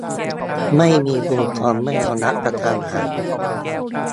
ไม่มีคูปองไม่เอารัฐประหาร